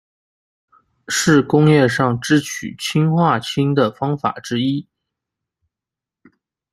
是工业上制取氰化氢的方法之一。